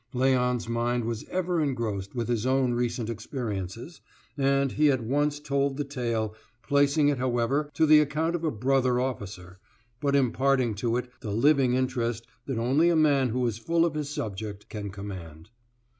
Léon's mind was ever engrossed with his own recent experiences, and he at once told the tale, placing it, however, to the account of a brother officer, but imparting to it the living interest that only a man who is full of his subject can command.